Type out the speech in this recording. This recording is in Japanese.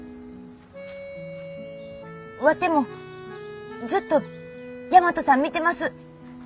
ワテもずっと大和さん見てます。